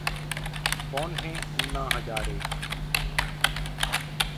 कौन हैं अन्ना हजारे?